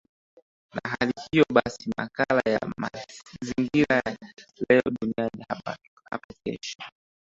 na hali hiyo basi makala ya masingira leo dunia hapo kesho